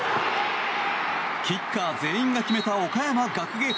キッカー全員が決めた岡山学芸館。